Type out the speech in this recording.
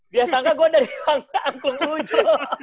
biasa nggak gue udah bilang ke angklung ujo